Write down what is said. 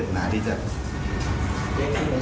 คิดว่าตัวมันจัดกินแล้วหรือเปล่า